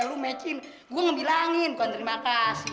lu mecin gua ngebilangin kawan terima kasih